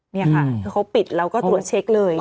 นี่ค่ะคือเขาปิดแล้วก็ตรวจเช็คเลย